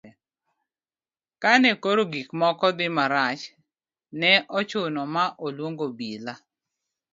kane koro gik moko dhi marach, ne ochuno ma oluong obila